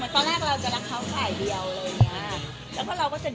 ตอนแรกเราจะรักเขาฝ่ายเดียวอะไรอย่างนี้